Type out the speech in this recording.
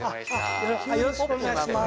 よろしくお願いします